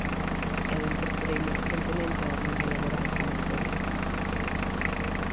Eu incorporeime recentemente ao mundo laboral como autónomo.